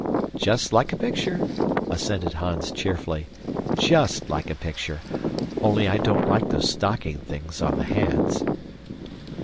"Just like a picture," assented Hans cheerfully. "JUST like a picture only I don't like those stocking things on the hands."